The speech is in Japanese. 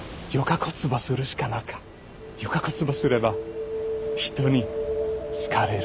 よかこつばすれば人に好かれる。